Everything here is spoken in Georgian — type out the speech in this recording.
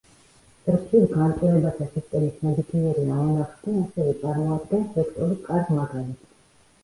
წრფივ განტოლებათა სისტემის ნებისმიერი ამონახსნი ასევე წარმოადგენს ვექტორის კარგ მაგალითს.